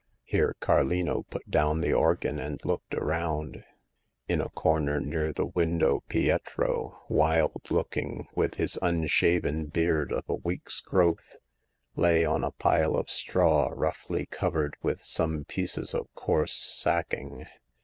Here Car lino put down the organ and looked around. In a corner near the window Pietro, wild look ing, with his unshaven beard of a week's growth, lay on a pile of straw roughly covered with some pieces of coarse sacking.